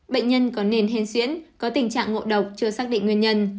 bệnh nhân có nền hên xuyến có tình trạng ngộ độc chưa xác định nguyên nhân